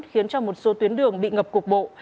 khiến cho một số tuyến đường bị ngập cục bộ